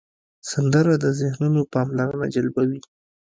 سندره د ذهنونو پاملرنه جلبوي